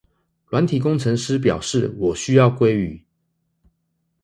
軟體工程師表示我需要鮭魚